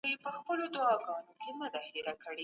ایا هغه ته د اکاډمۍ له خوا انعام ورکړل سو؟